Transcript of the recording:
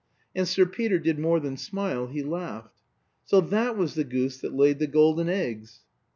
And Sir Peter did more than smile, he laughed. "So that was the goose that laid the golden eggs?"